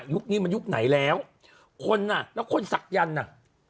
นี้มันยุคไหนแล้วคนอ่ะแล้วคนศักยันต์น่ะ